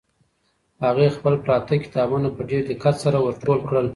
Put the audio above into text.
هغې خپل پراته کتابونه په ډېر دقت سره ور ټول کړل.